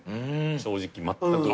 正直まったく。